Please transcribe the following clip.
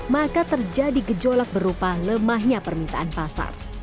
maka terjadi gejolak berupa lemahnya permintaan pasar